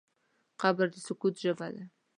قبر د سکوت ژبه ده.